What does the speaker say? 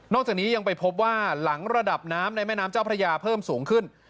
จากนี้ยังไปพบว่าหลังระดับน้ำในแม่น้ำเจ้าพระยาเพิ่มสูงขึ้น